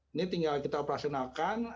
ini tinggal kita operasionalkan